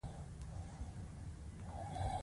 تر ظلم لاندې وو